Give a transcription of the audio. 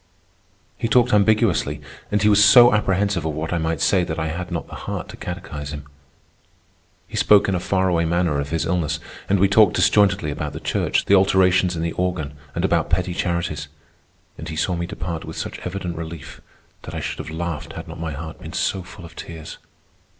He talked ambiguously, and was so apprehensive of what I might say that I had not the heart to catechise him. He spoke in a far away manner of his illness, and we talked disjointedly about the church, the alterations in the organ, and about petty charities; and he saw me depart with such evident relief that I should have laughed had not my heart been so full of tears.